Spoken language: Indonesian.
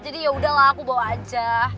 jadi yaudahlah aku bawa aja